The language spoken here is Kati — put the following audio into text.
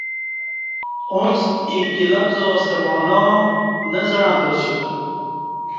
اݩڅ اکی لفظ ستہ معنہ نہ زعں تاسیوم ۔